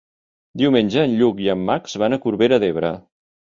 Diumenge en Lluc i en Max van a Corbera d'Ebre.